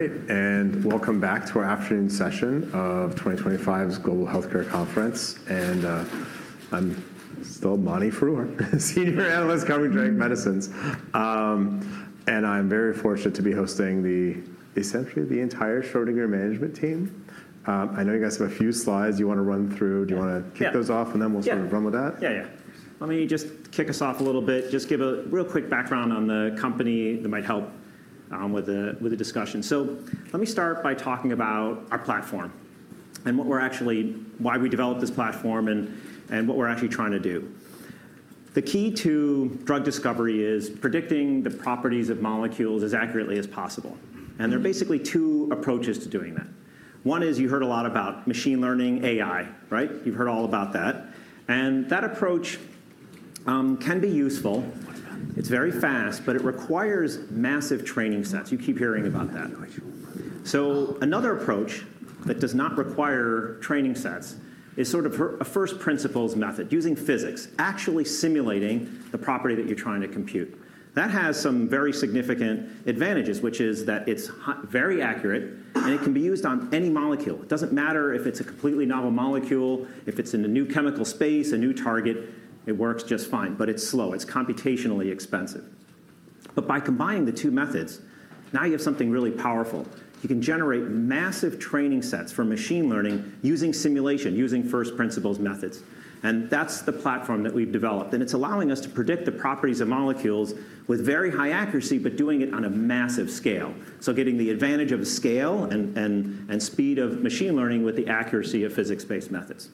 Welcome back to our afternoon session of 2025's Global Healthcare Conference. I'm still Mani Foroohar, Senior Analyst, Genetic Medicines. I'm very fortunate to be hosting essentially the entire Schrödinger Management Team. I know you guys have a few slides you want to run through. Do you want to kick those off, and then we'll sort of run with that? Yeah, yeah. Let me just kick us off a little bit, just give a real quick background on the company that might help with the discussion. Let me start by talking about our platform and why we developed this platform and what we're actually trying to do. The key to drug discovery is predicting the properties of molecules as accurately as possible. There are basically two approaches to doing that. One is you heard a lot about machine learning, AI, right? You've heard all about that. That approach can be useful. It's very fast, but it requires massive training sets. You keep hearing about that. Another approach that does not require training sets is sort of a first principles method using physics, actually simulating the property that you're trying to compute. That has some very significant advantages, which is that it's very accurate, and it can be used on any molecule. It doesn't matter if it's a completely novel molecule, if it's in a new chemical space, a new target, it works just fine. It is slow. It's computationally expensive. By combining the two methods, now you have something really powerful. You can generate massive training sets for machine learning using simulation, using first principles methods. That's the platform that we've developed. It's allowing us to predict the properties of molecules with very high accuracy, but doing it on a massive scale. You get the advantage of scale and speed of machine learning with the accuracy of physics-based methods.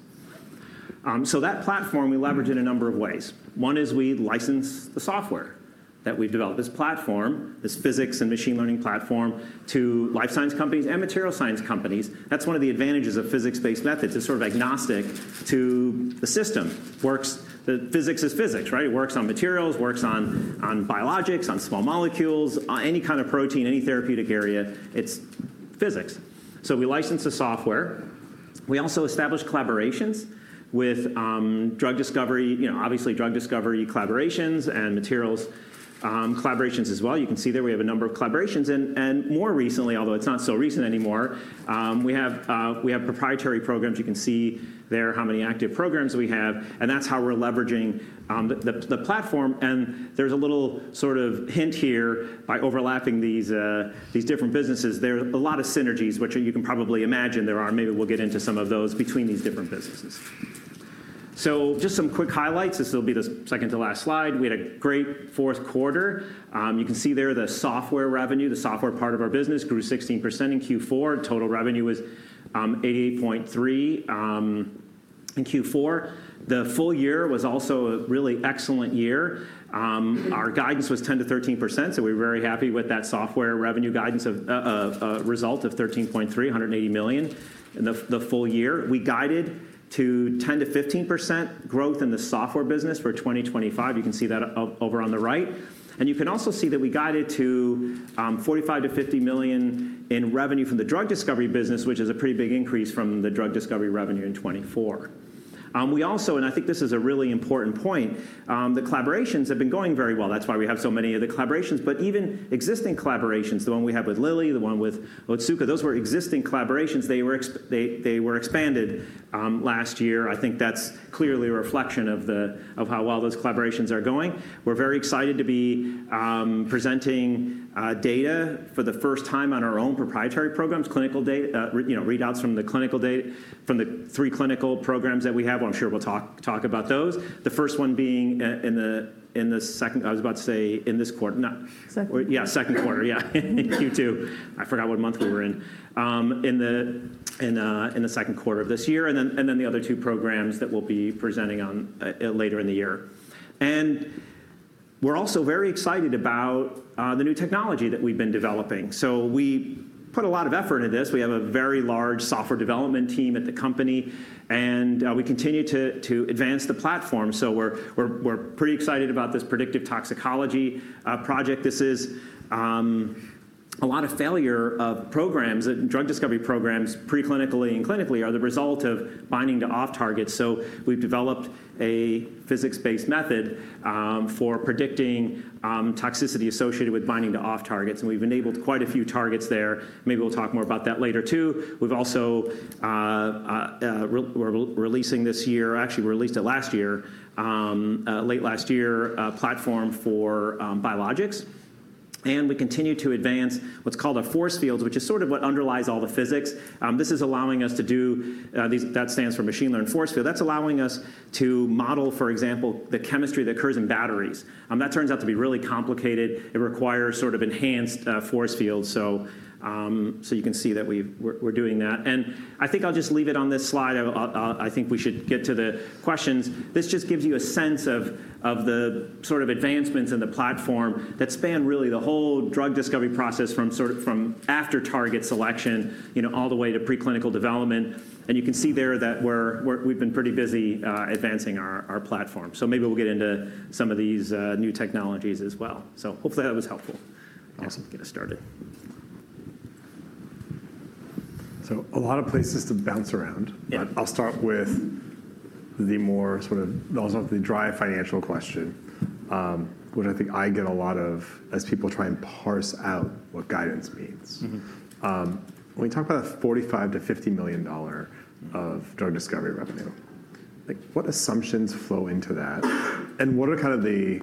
That platform, we leverage in a number of ways. One is we license the software that we've developed, this platform, this physics and machine learning platform, to life science companies and material science companies. That's one of the advantages of physics-based methods. It's sort of agnostic to the system. Physics is physics, right? It works on materials, works on biologics, on small molecules, on any kind of protein, any therapeutic area. It's physics. We license the software. We also establish collaborations with drug discovery, obviously drug discovery collaborations and materials collaborations as well. You can see there we have a number of collaborations. More recently, although it's not so recent anymore, we have proprietary programs. You can see there how many active programs we have. That's how we're leveraging the platform. There's a little sort of hint here by overlapping these different businesses. There are a lot of synergies, which you can probably imagine there are. Maybe we'll get into some of those between these different businesses. Just some quick highlights. This will be the second to last slide. We had a great fourth quarter. You can see there the software revenue, the software part of our business grew 16% in Q4. Total revenue was $88.3 million in Q4. The full year was also a really excellent year. Our guidance was 10%-13%. We were very happy with that software revenue guidance result of 13.3%, $180 million in the full year. We guided to 10%-15% growth in the software business for 2025. You can see that over on the right. You can also see that we guided to 45% to 50 million in revenue from the drug discovery business, which is a pretty big increase from the drug discovery revenue in 2024. I think this is a really important point, the collaborations have been going very well. That is why we have so many of the collaborations. Even existing collaborations, the one we had with Lilly, the one with Otsuka, those were existing collaborations. They were expanded last year. I think that is clearly a reflection of how well those collaborations are going. We are very excited to be presenting data for the first time on our own proprietary programs, clinical data, readouts from the three clinical programs that we have. I am sure we will talk about those. The first one being in the second, I was about to say in this quarter. Second quarter. Yeah, second quarter, yeah. Q2. I forgot what month we were in. In the second quarter of this year. The other two programs that we'll be presenting on later in the year. We're also very excited about the new technology that we've been developing. We put a lot of effort into this. We have a very large software development team at the company. We continue to advance the platform. We're pretty excited about this predictive toxicology project. This is a lot of failure of programs and drug discovery programs preclinically and clinically are the result of binding to off-targets. We've developed a physics-based method for predicting toxicity associated with binding to off-targets. We've enabled quite a few targets there. Maybe we'll talk more about that later too. We've also released this year, actually released it last year, late last year, a platform for biologics. We continue to advance what's called a force field, which is sort of what underlies all the physics. This is allowing us to do, that stands for machine learned force field. That's allowing us to model, for example, the chemistry that occurs in batteries. That turns out to be really complicated. It requires sort of enhanced force fields. You can see that we're doing that. I think I'll just leave it on this slide. I think we should get to the questions. This just gives you a sense of the sort of advancements in the platform that span really the whole drug discovery process from after-target selection all the way to preclinical development. You can see there that we've been pretty busy advancing our platform. Maybe we'll get into some of these new technologies as well. Hopefully that was helpful. Awesome. Get us started. A lot of places to bounce around. I'll start with the more sort of, also the dry financial question, which I think I get a lot of as people try and parse out what guidance means. When we talk about a $45-$50 million of drug discovery revenue, what assumptions flow into that? What are kind of the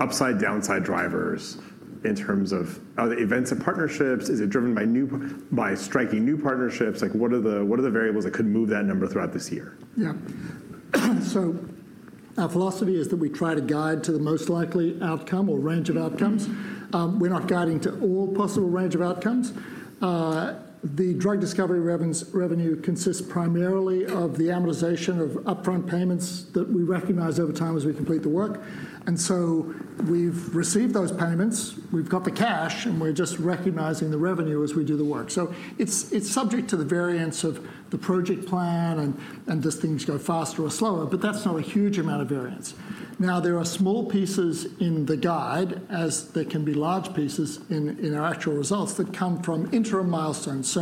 upside, downside drivers in terms of events and partnerships? Is it driven by striking new partnerships? What are the variables that could move that number throughout this year? Yeah. Our philosophy is that we try to guide to the most likely outcome or range of outcomes. We're not guiding to all possible range of outcomes. The drug discovery revenue consists primarily of the amortization of upfront payments that we recognize over time as we complete the work. We've received those payments. We've got the cash, and we're just recognizing the revenue as we do the work. It's subject to the variance of the project plan and does things go faster or slower, but that's not a huge amount of variance. There are small pieces in the guide, as there can be large pieces in our actual results that come from interim milestones.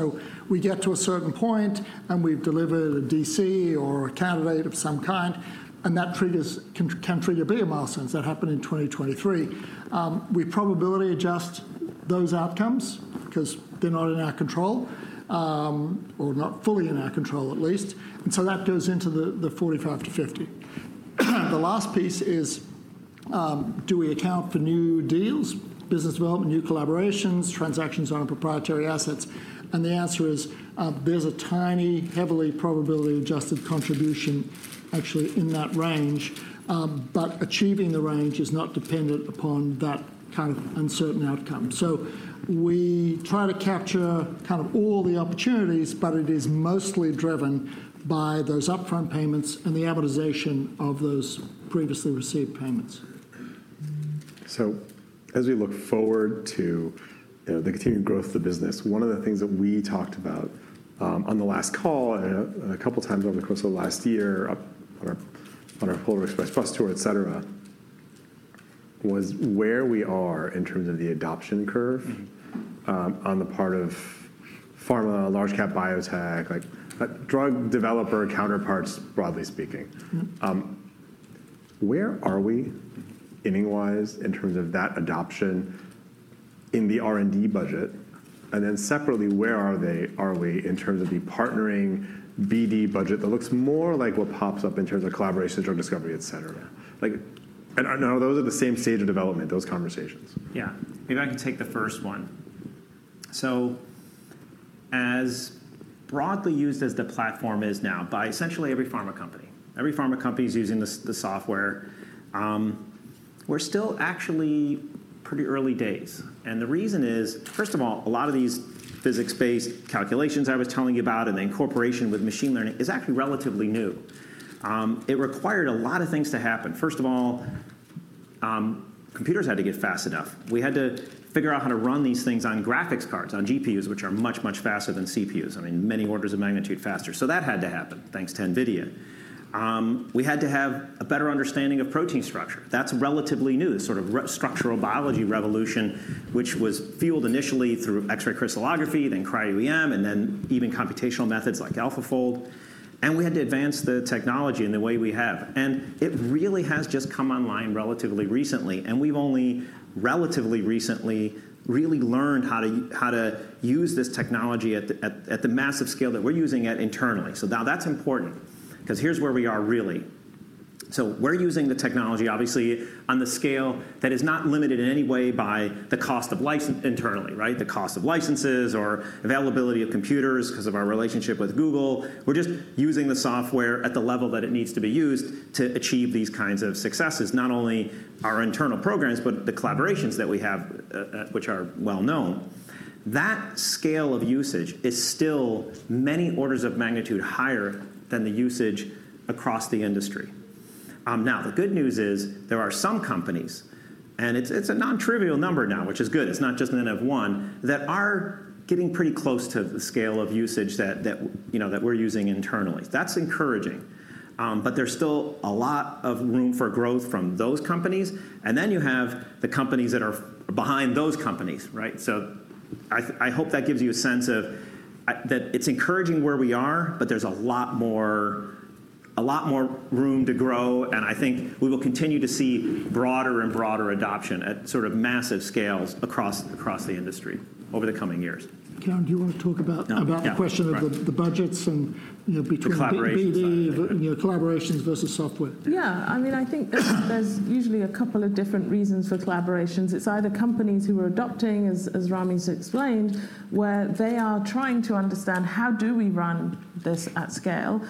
We get to a certain point, and we've delivered a DC or a candidate of some kind, and that can trigger bigger milestones that happen in 2023. We probability adjust those outcomes because they're not in our control or not fully in our control at least. That goes into the 45-50. The last piece is, do we account for new deals, business development, new collaborations, transactions on proprietary assets? The answer is there's a tiny, heavily probability-adjusted contribution actually in that range. Achieving the range is not dependent upon that kind of uncertain outcome. We try to capture kind of all the opportunities, but it is mostly driven by those upfront payments and the amortization of those previously received payments. As we look forward to the continued growth of the business, one of the things that we talked about on the last call and a couple of times over the course of the last year on our Polar Express bus tour, et cetera, was where we are in terms of the adoption curve on the part of pharma, large cap biotech, drug developer counterparts, broadly speaking. Where are we inning-wise in terms of that adoption in the R&D budget? Separately, where are we in terms of the partnering BD budget that looks more like what pops up in terms of collaboration, drug discovery, et cetera? Are those at the same stage of development, those conversations? Yeah. Maybe I can take the first one. As broadly used as the platform is now by essentially every pharma company, every pharma company is using the software, we're still actually pretty early days. The reason is, first of all, a lot of these physics-based calculations I was telling you about and the incorporation with machine learning is actually relatively new. It required a lot of things to happen. First of all, computers had to get fast enough. We had to figure out how to run these things on graphics cards, on GPUs, which are much, much faster than CPUs. I mean, many orders of magnitude faster. That had to happen thanks to NVIDIA. We had to have a better understanding of protein structure. That's relatively new, sort of structural biology revolution, which was fueled initially through X-ray crystallography, then cryo-EM, and then even computational methods like AlphaFold. We had to advance the technology in the way we have. It really has just come online relatively recently. We've only relatively recently really learned how to use this technology at the massive scale that we're using it internally. That is important because here's where we are really. We're using the technology, obviously, on the scale that is not limited in any way by the cost of license internally, right? The cost of licenses or availability of computers because of our relationship with Google. We're just using the software at the level that it needs to be used to achieve these kinds of successes, not only our internal programs, but the collaborations that we have, which are well-known. That scale of usage is still many orders of magnitude higher than the usage across the industry. Now, the good news is there are some companies, and it's a non-trivial number now, which is good. It's not just an N of 1, that are getting pretty close to the scale of usage that we're using internally. That's encouraging. There's still a lot of room for growth from those companies. You have the companies that are behind those companies, right? I hope that gives you a sense of that it's encouraging where we are, but there's a lot more room to grow. I think we will continue to see broader and broader adoption at sort of massive scales across the industry over the coming years. Karen, do you want to talk about the question of the budgets and between BD, collaborations versus software? Yeah. I mean, I think there's usually a couple of different reasons for collaborations. It's either companies who are adopting, as Ramy's explained, where they are trying to understand how do we run this at scale.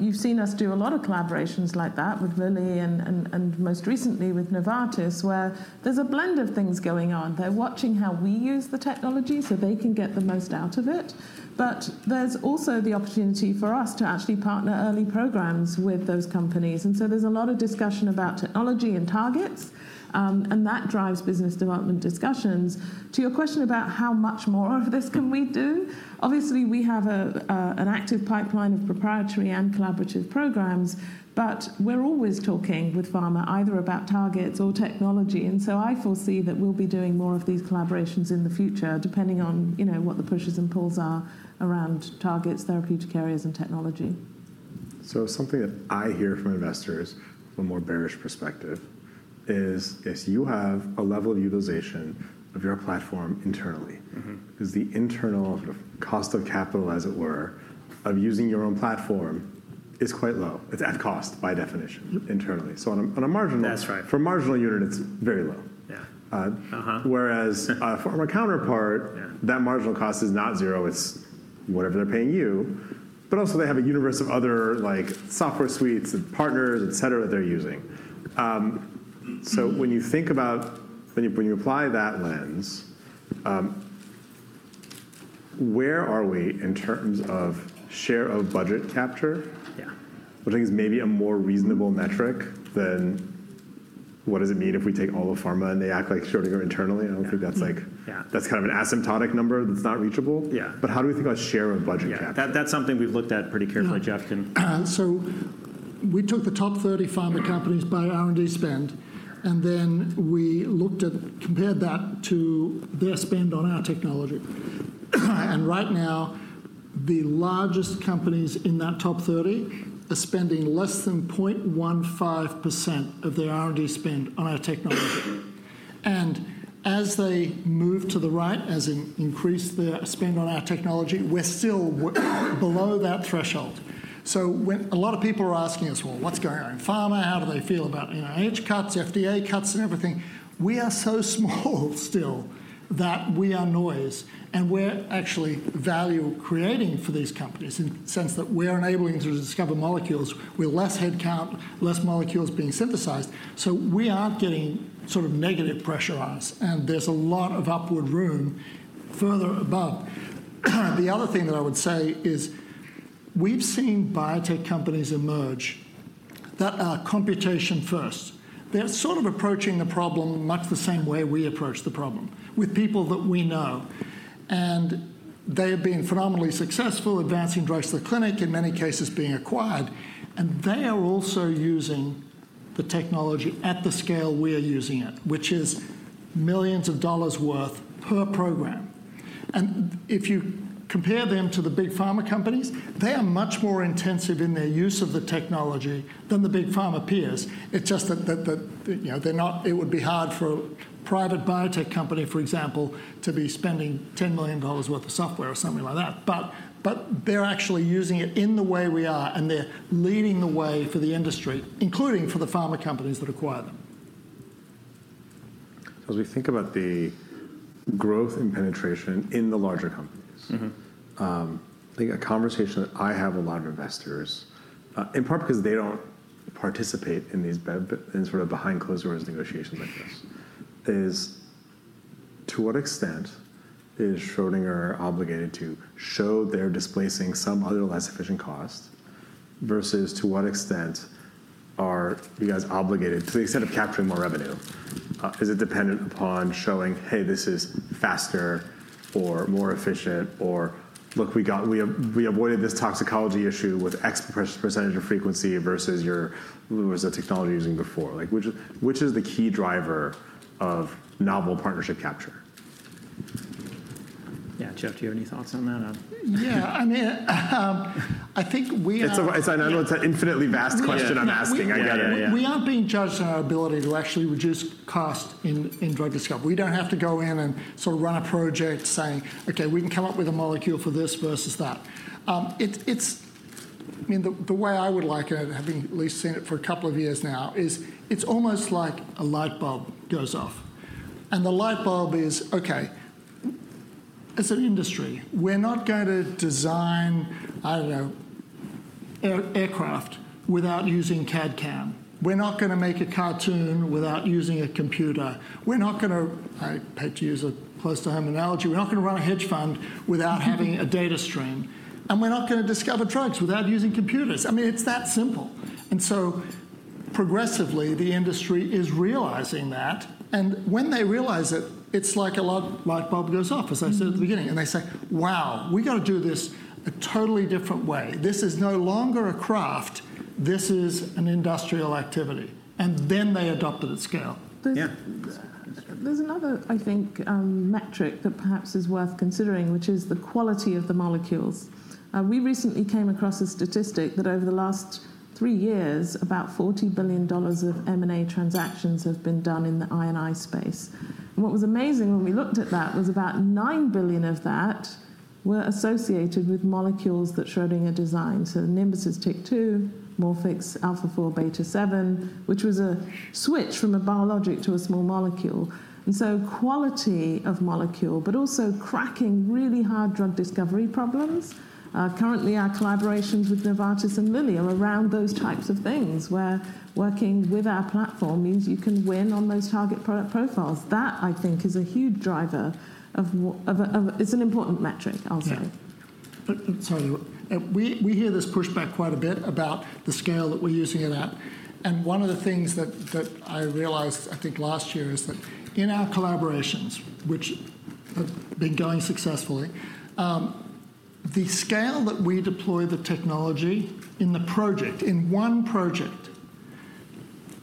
You've seen us do a lot of collaborations like that with Lilly and most recently with Novartis, where there's a blend of things going on. They're watching how we use the technology so they can get the most out of it. There's also the opportunity for us to actually partner early programs with those companies. There's a lot of discussion about technology and targets. That drives business development discussions. To your question about how much more of this can we do, obviously we have an active pipeline of proprietary and collaborative programs. We're always talking with pharma either about targets or technology. I foresee that we'll be doing more of these collaborations in the future, depending on what the pushes and pulls are around targets, therapeutic areas, and technology. Something that I hear from investors from a more bearish perspective is if you have a level of utilization of your platform internally, because the internal cost of capital, as it were, of using your own platform is quite low. It's at cost by definition internally. On a marginal. That's right. For a marginal unit, it's very low. Yeah. Whereas a pharma counterpart, that marginal cost is not zero. It's whatever they're paying you. Also, they have a universe of other software suites and partners, et cetera, that they're using. When you think about, when you apply that lens, where are we in terms of share of budget capture? Yeah. Which I think is maybe a more reasonable metric than what does it mean if we take all the pharma and they act like Schrödinger internally? I don't think that's like that's kind of an asymptotic number that's not reachable. Yeah. How do we think about share of budget capture? Yeah. That's something we've looked at pretty carefully, Jeffrey. We took the top 30 pharma companies by R&D spend. Then we compared that to their spend on our technology. Right now, the largest companies in that top 30 are spending less than 0.15% of their R&D spend on our technology. As they move to the right, as in increase their spend on our technology, we're still below that threshold. When a lot of people are asking us, well, what's going on in pharma? How do they feel about H cuts, FDA cuts, and everything? We are so small still that we are noise. We're actually value creating for these companies in the sense that we're enabling to discover molecules. We're less headcount, less molecules being synthesized. We aren't getting sort of negative pressure on us. There's a lot of upward room further above. The other thing that I would say is we've seen biotech companies emerge that are computation first. They're sort of approaching the problem much the same way we approach the problem with people that we know. They have been phenomenally successful advancing drugs to the clinic, in many cases being acquired. They are also using the technology at the scale we are using it, which is millions of dollars worth per program. If you compare them to the big pharma companies, they are much more intensive in their use of the technology than the big pharma peers. It's just that it would be hard for a private biotech company, for example, to be spending $10 million worth of software or something like that. They're actually using it in the way we are. They're leading the way for the industry, including for the pharma companies that acquire them. As we think about the growth and penetration in the larger companies, I think a conversation that I have a lot of investors, in part because they do not participate in these sort of behind closed doors negotiations like this, is to what extent is Schrödinger obligated to show they are displacing some other less efficient cost versus to what extent are you guys obligated to the extent of capturing more revenue? Is it dependent upon showing, hey, this is faster or more efficient or look, we avoided this toxicology issue with X % of frequency versus your lowers of technology using before? Which is the key driver of novel partnership capture? Yeah, Jeffrey, do you have any thoughts on that? Yeah. I mean, I think we are. It's an infinitely vast question I'm asking. I get it. We aren't being judged on our ability to actually reduce cost in drug discovery. We don't have to go in and sort of run a project saying, OK, we can come up with a molecule for this versus that. I mean, the way I would like it, having at least seen it for a couple of years now, is it's almost like a light bulb goes off. The light bulb is, OK, as an industry, we're not going to design, I don't know, aircraft without using CAD/CAM. We're not going to make a cartoon without using a computer. We're not going to, I hate to use a close-to-home analogy, we're not going to run a hedge fund without having a data stream. We're not going to discover drugs without using computers. I mean, it's that simple. Progressively, the industry is realizing that. When they realize it, it's like a light bulb goes off, as I said at the beginning. They say, wow, we've got to do this a totally different way. This is no longer a craft. This is an industrial activity. Then they adopt it at scale. There's another, I think, metric that perhaps is worth considering, which is the quality of the molecules. We recently came across a statistic that over the last three years, about $40 billion of M&A transactions have been done in the I&I space. What was amazing when we looked at that was about $9 billion of that were associated with molecules that Schrödinger designed. So Nimbus is TYK2, Morphic's alpha-4 beta-7, which was a switch from a biologic to a small molecule. Quality of molecule, but also cracking really hard drug discovery problems. Currently, our collaborations with Novartis and Lilly are around those types of things where working with our platform means you can win on those target product profiles. That, I think, is a huge driver of it's an important metric, I'll say. Sorry. We hear this pushback quite a bit about the scale that we're using it at. One of the things that I realized, I think, last year is that in our collaborations, which have been going successfully, the scale that we deploy the technology in the project, in one project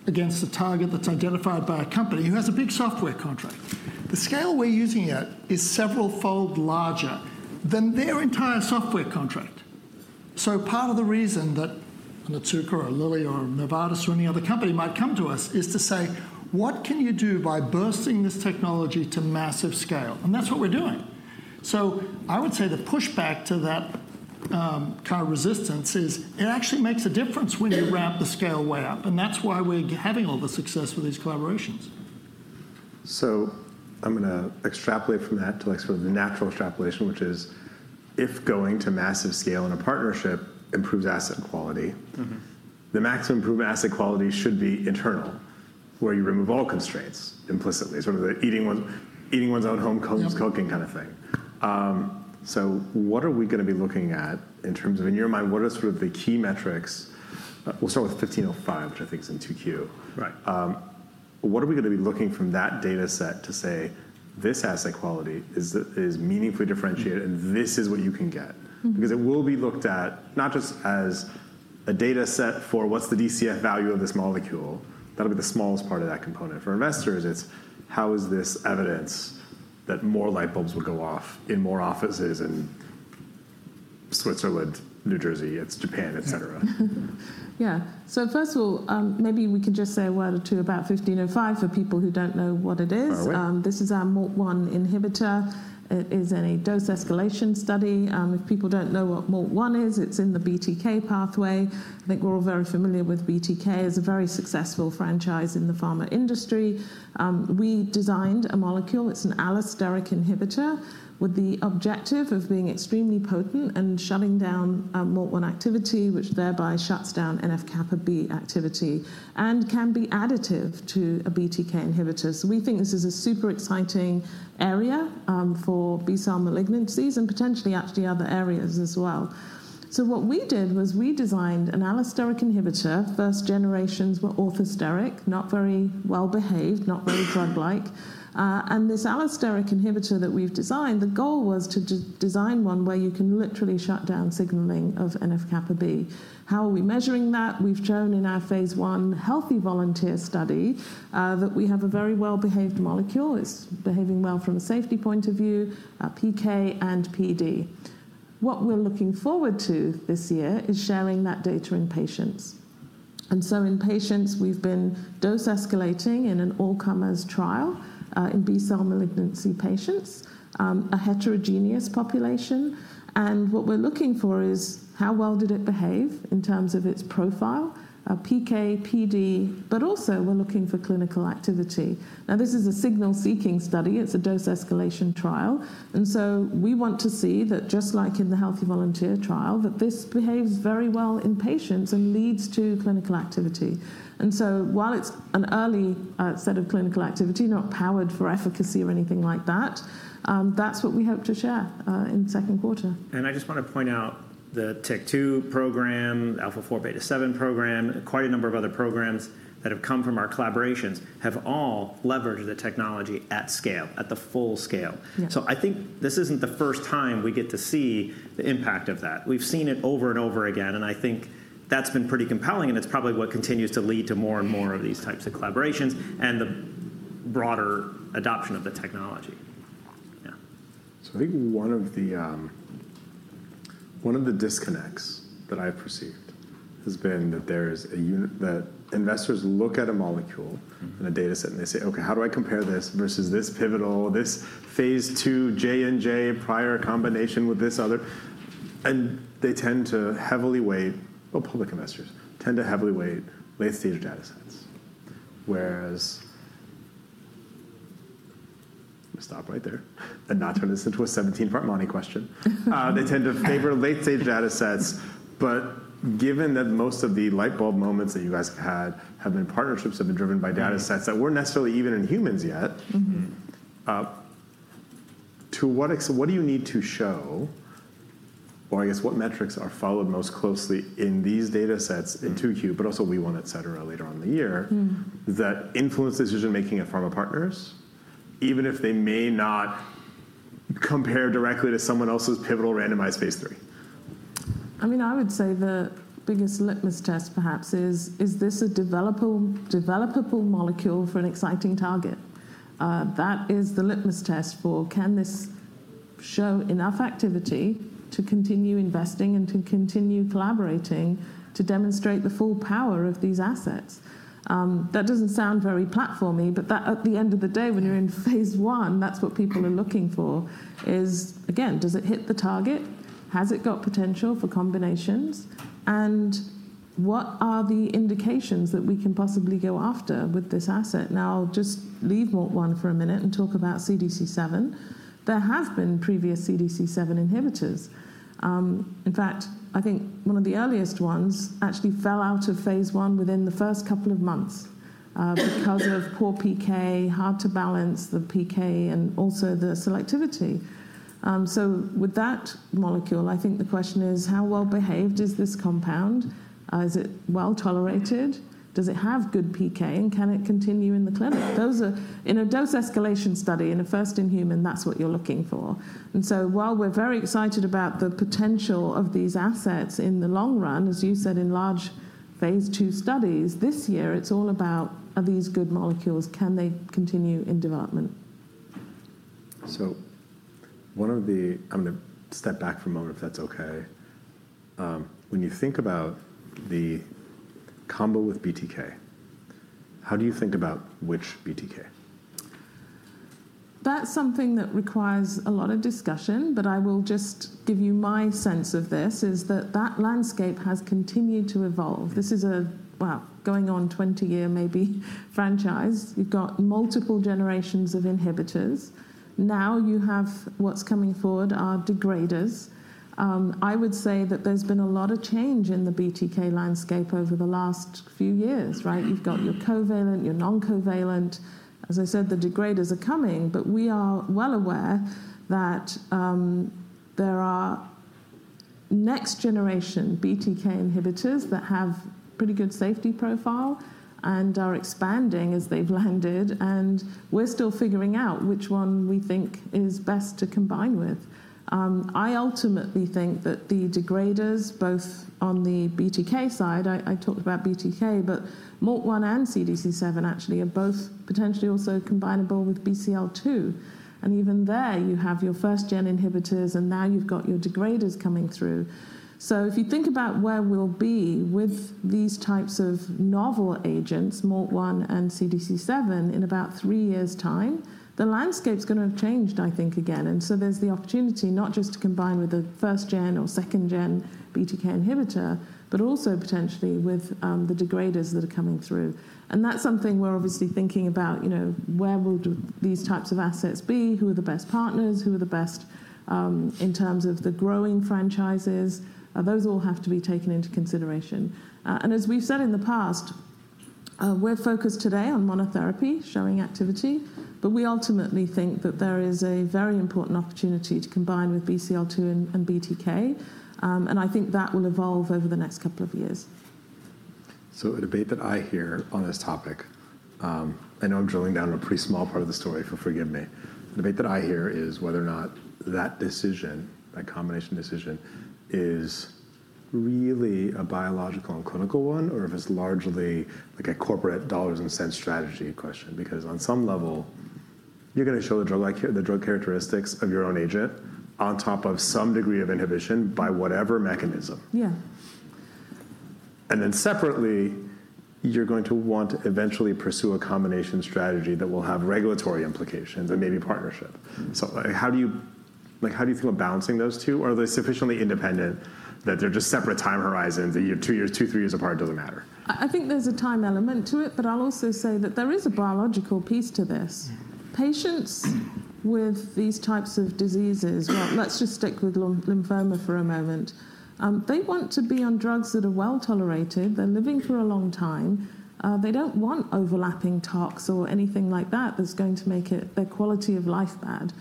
against a target that's identified by a company, and that's a big software contract. The scale we're using it is several fold larger than their entire software contract. Part of the reason that Otsuka or Lilly or Novartis or any other company might come to us is to say, what can you do by bursting this technology to massive scale? That is what we're doing. I would say the pushback to that kind of resistance is it actually makes a difference when you ramp the scale way up. That is why we're having all the success with these collaborations. I'm going to extrapolate from that to sort of the natural extrapolation, which is if going to massive scale in a partnership improves asset quality, the maximum improvement in asset quality should be internal, where you remove all constraints implicitly. Sort of the eating one's own home cooking kind of thing. What are we going to be looking at in terms of, in your mind, what are sort of the key metrics? We'll start with 1505, which I think is in 2Q. What are we going to be looking from that data set to say this asset quality is meaningfully differentiated and this is what you can get? Because it will be looked at not just as a data set for what's the DCF value of this molecule. That'll be the smallest part of that component. For investors, it's how is this evidence that more light bulbs would go off in more offices in Switzerland, New Jersey, it's Japan, et cetera? Yeah. First of all, maybe we could just say a word or two about 1505 for people who don't know what it is. All right. This is our MALT1 inhibitor. It is a dose escalation study. If people don't know what MALT1 is, it's in the BTK pathway. I think we're all very familiar with BTK. It's a very successful franchise in the pharma industry. We designed a molecule. It's an allosteric inhibitor with the objective of being extremely potent and shutting down MALT1 activity, which thereby shuts down NF-kappaB activity and can be additive to a BTK inhibitor. We think this is a super exciting area for B-cell malignancies and potentially actually other areas as well. What we did was we designed an allosteric inhibitor. First generations were orthosteric, not very well behaved, not very drug-like. This allosteric inhibitor that we've designed, the goal was to design one where you can literally shut down signaling of NF-kappaB. How are we measuring that? We've shown in our phase I healthy volunteer study that we have a very well behaved molecule. It's behaving well from a safety point of view, PK and PD. What we're looking forward to this year is sharing that data in patients. In patients, we've been dose escalating in an all comers trial in B-cell malignancy patients, a heterogeneous population. What we're looking for is how well did it behave in terms of its profile, PK, PD, but also we're looking for clinical activity. This is a signal seeking study. It's a dose escalation trial. We want to see that just like in the healthy volunteer trial, that this behaves very well in patients and leads to clinical activity. While it's an early set of clinical activity, not powered for efficacy or anything like that, that's what we hope to share in second quarter. I just want to point out the TYK2 program, alpha4beta7 program, quite a number of other programs that have come from our collaborations have all leveraged the technology at scale, at the full scale. I think this is not the first time we get to see the impact of that. We've seen it over and over again. I think that has been pretty compelling. It is probably what continues to lead to more and more of these types of collaborations and the broader adoption of the technology. Yeah. I think one of the disconnects that I've perceived has been that there is a unit that investors look at a molecule and a data set and they say, OK, how do I compare this versus this pivotal, this phase two J&J prior combination with this other? They tend to heavily weight, well, public investors tend to heavily weight late stage data sets. Whereas I'm going to stop right there and not turn this into a 17-part money question. They tend to favor late stage data sets. Given that most of the light bulb moments that you guys have had have been partnerships that have been driven by data sets that were not necessarily even in humans yet, to what do you need to show, or I guess what metrics are followed most closely in these data sets in 2Q, but also we want, et cetera, later on in the year, that influence decision making at pharma partners, even if they may not compare directly to someone else's pivotal randomized phase three? I mean, I would say the biggest litmus test perhaps is, is this a developable molecule for an exciting target? That is the litmus test for can this show enough activity to continue investing and to continue collaborating to demonstrate the full power of these assets? That does not sound very platformy. At the end of the day, when you're in phase one, that's what people are looking for is, again, does it hit the target? Has it got potential for combinations? What are the indications that we can possibly go after with this asset? Now, I'll just leave MALT1 for a minute and talk about CDC7. There have been previous CDC7 inhibitors. In fact, I think one of the earliest ones actually fell out of phase one within the first couple of months because of poor PK, hard to balance the PK, and also the selectivity. With that molecule, I think the question is, how well behaved is this compound? Is it well tolerated? Does it have good PK? Can it continue in the clinic? In a dose escalation study, in a first in human, that's what you're looking for. While we're very excited about the potential of these assets in the long run, as you said, in large phase two studies, this year it's all about, are these good molecules? Can they continue in development? One of the--I'm going to step back for a moment, if that's OK. When you think about the combo with BTK, how do you think about which BTK? That's something that requires a lot of discussion. I will just give you my sense of this is that that landscape has continued to evolve. This is a, going on 20-year maybe franchise. You've got multiple generations of inhibitors. Now you have what's coming forward are degraders. I would say that there's been a lot of change in the BTK landscape over the last few years. You've got your covalent, your non-covalent. As I said, the degraders are coming. We are well aware that there are next generation BTK inhibitors that have pretty good safety profile and are expanding as they've landed. We're still figuring out which one we think is best to combine with. I ultimately think that the degraders, both on the BTK side—I talked about BTK—but MALT1 and CDC7 actually are both potentially also combinable with BCL2. Even there, you have your first-gen inhibitors. Now you've got your degraders coming through. If you think about where we'll be with these types of novel agents, MALT1 and CDC7, in about three years' time, the landscape's going to have changed, I think, again. There's the opportunity not just to combine with the first-gen or second-gen BTK inhibitor, but also potentially with the degraders that are coming through. That's something we're obviously thinking about. Where will these types of assets be? Who are the best partners? Who are the best in terms of the growing franchises? Those all have to be taken into consideration. As we've said in the past, we're focused today on monotherapy showing activity. We ultimately think that there is a very important opportunity to combine with BCL2 and BTK. I think that will evolve over the next couple of years. The debate that I hear on this topic—I know I'm drilling down a pretty small part of the story, so forgive me—the debate that I hear is whether or not that decision, that combination decision, is really a biological and clinical one, or if it's largely like a corporate dollars and cents strategy question. Because on some level, you're going to show the drug characteristics of your own agent on top of some degree of inhibition by whatever mechanism. Yeah. Separately, you're going to want to eventually pursue a combination strategy that will have regulatory implications and maybe partnership. How do you think about balancing those two? Are they sufficiently independent that they're just separate time horizons? Two years, two, three years apart doesn't matter. I think there's a time element to it. I'll also say that there is a biological piece to this. Patients with these types of diseases—let's just stick with lymphoma for a moment—they want to be on drugs that are well tolerated. They're living for a long time. They don't want overlapping tox or anything like that that's going to make their quality of life bad.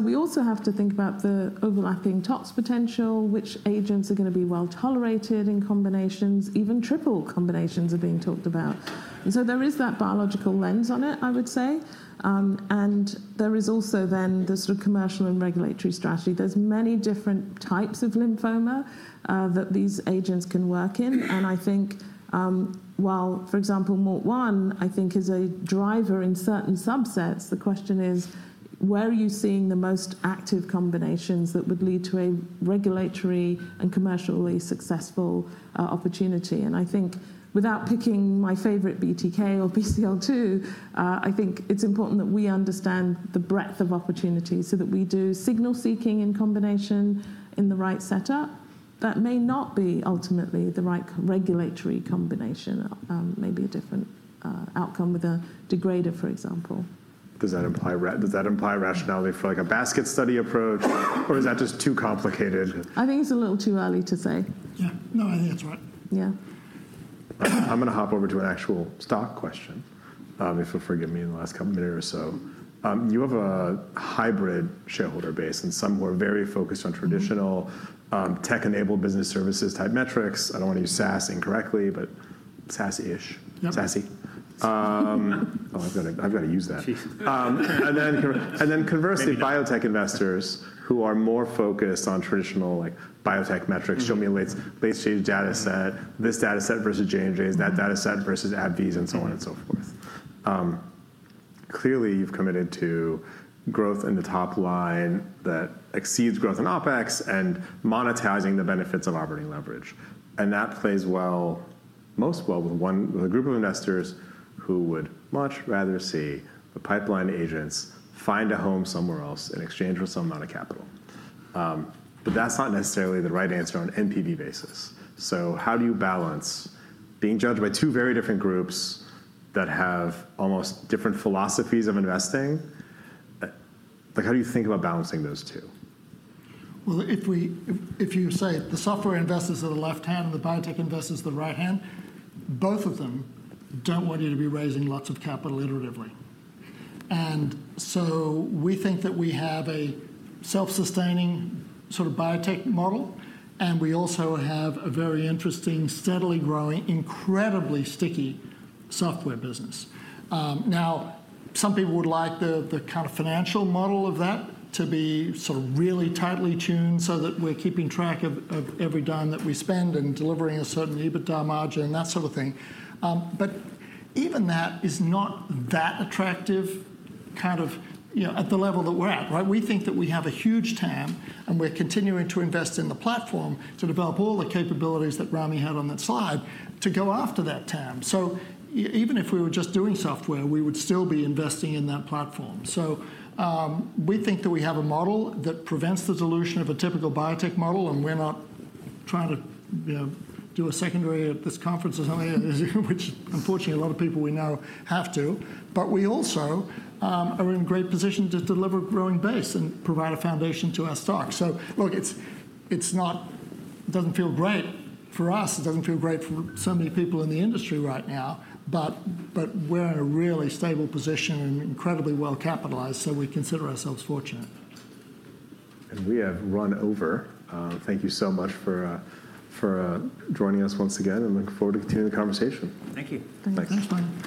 We also have to think about the overlapping tox potential, which agents are going to be well tolerated in combinations. Even triple combinations are being talked about. There is that biological lens on it, I would say. There is also then the sort of commercial and regulatory strategy. There are many different types of lymphoma that these agents can work in. I think while, for example, MALT1, I think, is a driver in certain subsets, the question is, where are you seeing the most active combinations that would lead to a regulatory and commercially successful opportunity? I think without picking my favorite BTK or BCL2, I think it's important that we understand the breadth of opportunity so that we do signal seeking in combination in the right setup. That may not be ultimately the right regulatory combination. Maybe a different outcome with a degrader, for example. Does that imply rationality for like a basket study approach? Or is that just too complicated? I think it's a little too early to say. Yeah. No, I think that's right. Yeah. I'm going to hop over to an actual stock question, if you'll forgive me in the last couple of minutes or so. You have a hybrid shareholder base. And some were very focused on traditional tech-enabled business services type metrics. I don't want to use SaaS incorrectly, but SaaS-ish. Yep. SaaS-y. Oh, I've got to use that. Conversely, biotech investors who are more focused on traditional biotech metrics show me a late stage data set. This data set versus J&J is that data set versus AbbVie’s and so on and so forth. Clearly, you've committed to growth in the top line that exceeds growth in OpEx and monetizing the benefits of operating leverage. That plays well, most well with a group of investors who would much rather see the pipeline agents find a home somewhere else in exchange for some amount of capital. That’s not necessarily the right answer on an NPV basis. How do you balance being judged by two very different groups that have almost different philosophies of investing? How do you think about balancing those two? If you say the software investors are the left hand and the biotech investors are the right hand, both of them do not want you to be raising lots of capital iteratively. We think that we have a self-sustaining sort of biotech model. We also have a very interesting, steadily growing, incredibly sticky software business. Some people would like the kind of financial model of that to be really tightly tuned so that we are keeping track of every dime that we spend and delivering a certain EBITDA margin and that sort of thing. Even that is not that attractive at the level that we are at. We think that we have a huge TAM. We are continuing to invest in the platform to develop all the capabilities that Ramy had on that slide to go after that TAM. Even if we were just doing software, we would still be investing in that platform. We think that we have a model that prevents the dilution of a typical biotech model. We're not trying to do a secondary at this conference or something, which unfortunately a lot of people we know have to. We also are in a great position to deliver a growing base and provide a foundation to our stock. Look, it doesn't feel great for us. It doesn't feel great for so many people in the industry right now. We're in a really stable position and incredibly well capitalized. We consider ourselves fortunate. We have run over. Thank you so much for joining us once again. I look forward to continuing the conversation. Thank you. Thanks.